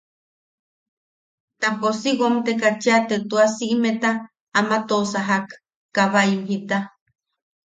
Ta pos si womteka chea te tua siʼimeta ama toʼosakak, kabaim jita.